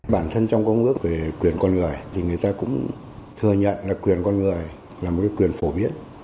bản thân trong công ước về quyền con người thì người ta cũng thừa nhận là quyền con người là một quyền phổ biến